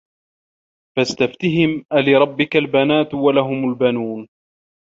فَاستَفتِهِم أَلِرَبِّكَ البَناتُ وَلَهُمُ البَنونَ